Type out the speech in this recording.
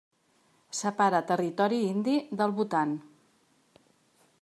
Separa territori indi del Bhutan.